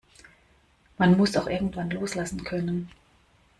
Man muss auch irgendwann loslassen können.